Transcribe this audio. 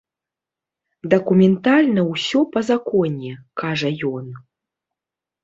Дакументальна ўсё па законе, кажа ён.